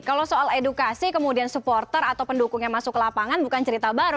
kalau soal edukasi kemudian supporter atau pendukungnya masuk ke lapangan bukan cerita baru